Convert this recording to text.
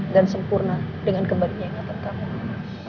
dan sempurna dengan kebahagiaan yang akan kami miliki